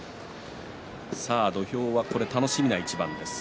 土俵は楽しみな一番です。